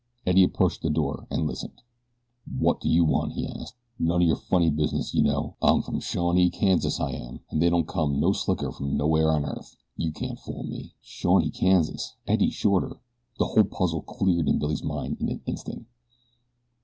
Eddie approached the door and listened. "Wot do you want?" he asked. "None o' your funny business, you know. I'm from Shawnee, Kansas, I am, an' they don't come no slicker from nowhere on earth. You can't fool me." Shawnee, Kansas! Eddie Shorter! The whole puzzle was cleared in Billy's mind in an instant.